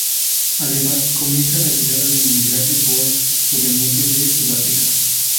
Además, comienza la llegada de inmigrantes bóers, provenientes de Sudáfrica.